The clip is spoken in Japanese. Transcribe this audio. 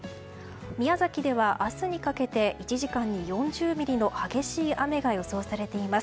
宮崎では明日にかけて１時間に４０ミリの激しい雨が予想されています。